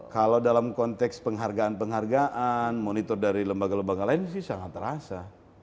kalau dalam konteks penghargaan penghargaan monitor dari lembaga lembaga lain sih sangat terasa